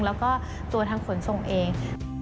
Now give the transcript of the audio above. แล้วก็ตัวทางขนส่งเอง